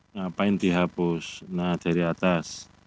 ngapain dihapus nah dari atas